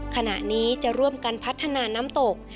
ขณะนี้จะร่วมกันพัฒนาน้ำตก